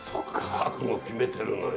覚悟決めてるのよ。